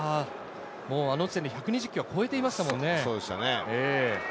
あの時点で１２０球は超えていましたからね。